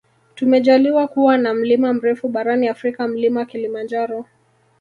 Tumejaliwa kuwa na mlima mrefu barani afrika mlima kilimanjaro